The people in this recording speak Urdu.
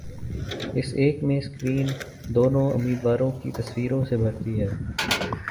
اس ایک میں سکرین دونوں امیدواروں کی تصویروں سے بھرتی ہے